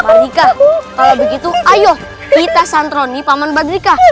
pak hika kalau begitu ayo kita santroni paman badrika